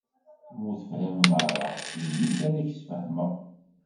Ma ur t-tefhimeḍ ara ini-d ad ak-d-sfehmeɣ.